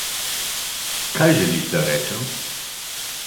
Kaj želiš, da rečem?